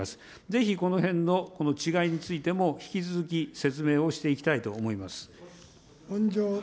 ぜひ、このへんのこの違いについても、引き続き説明をしていきたいと思います。